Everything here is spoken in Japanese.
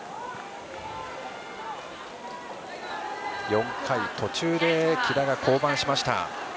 ４回途中で木田が降板しました。